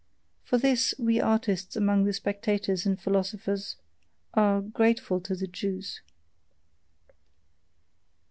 For this, we artists among the spectators and philosophers, are grateful to the Jews.